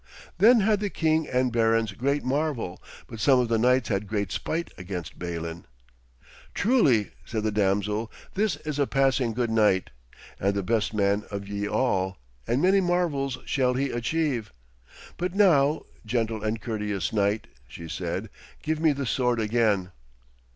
Then had the king and barons great marvel, but some of the knights had great spite against Balin. 'Truly,' said the damsel, 'this is a passing good knight, and the best man of ye all, and many marvels shall he achieve. But now, gentle and courteous knight,' she said, 'give me the sword again.'